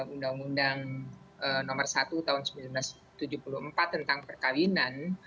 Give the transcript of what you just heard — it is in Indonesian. undang undang nomor satu tahun seribu sembilan ratus tujuh puluh empat tentang perkawinan